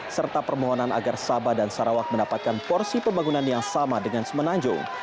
serta permohonan agar sabah dan sarawak mendapatkan porsi pembangunan yang sama dengan semenanjung